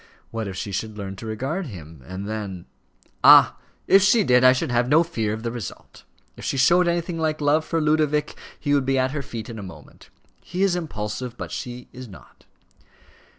What, if she should learn to regard him, and then " "Ah! if she did, I should have no fear of the result. If she showed anything like love for Ludovic, he would be at her feet in a moment. He is impulsive, but she is not."